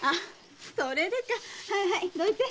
それではいはいどいて。